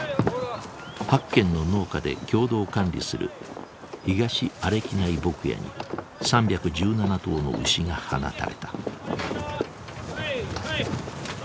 ８軒の農家で共同管理する東阿歴内牧野に３１７頭の牛が放たれた。